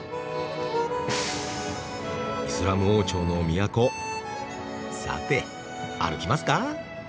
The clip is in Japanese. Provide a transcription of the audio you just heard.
イスラム王朝の都さて歩きますか？